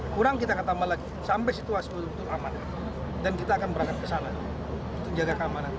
kurang kita akan tambah lagi sampai situasi itu aman dan kita akan berangkat ke sana untuk jaga keamanan